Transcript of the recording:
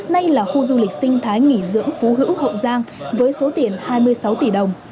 nay là khu du lịch sinh thái nghỉ dưỡng phú hữu hậu giang với số tiền hai mươi sáu tỷ đồng